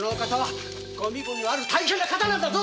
ご身分のある大変な方だぞ